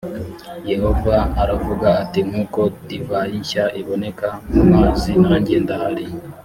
yehova aravuga ati nk uko divayi nshya iboneka mumazi nanjye ndahari